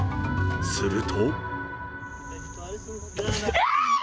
すると。